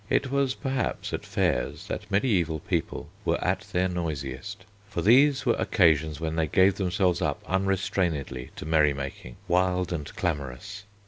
It was perhaps at fairs that mediæval people were at their noisiest, for these were occasions when they gave themselves up unrestrainedly to merry making, wild and clamorous.